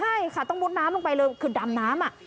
ใช่ค่ะต้องมุดน้ำลงไปเลยคือดำน้ำ